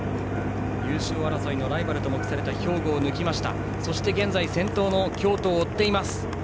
優勝争いのライバルと目された兵庫を抜いてそして現在先頭の京都を追っています。